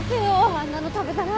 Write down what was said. あんなの食べたから。